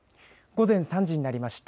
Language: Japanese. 午前３時になりました。